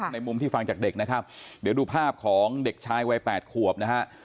มุมที่ฟังจากเด็กนะครับเดี๋ยวดูภาพของเด็กชายวัย๘ขวบนะฮะ